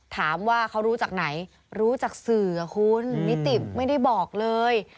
ถามว่าเขารู้จากไหนรู้จากสื่อคุณนิติไม่ได้บอกเลย